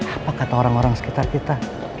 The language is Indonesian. apa kata orang orang sekitar kita